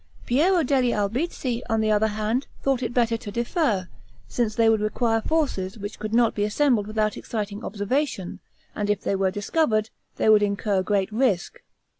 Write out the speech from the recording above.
Piero degli Albizzi, on the other hand, thought it better to defer, since they would require forces, which could not be assembled without exciting observation, and if they were discovered, they would incur great risk.